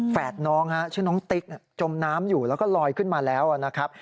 น้องชื่อน้องติ๊กจมน้ำอยู่แล้วก็ลอยขึ้นมาแล้วนะครับ